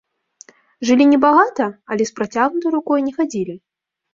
Жылі не багата, але з працягнутай рукой не хадзілі.